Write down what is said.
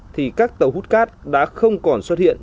thì các tàu hút cát đã không còn xuất hiện